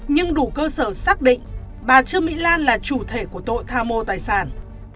nhưng đủ cơ sở xác định bà trương mỹ lan là chủ thể của tội tham mô tài sản